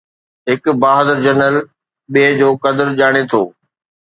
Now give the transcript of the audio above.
هڪ بهادر جنرل ٻئي جو قدر ڄاڻي ٿو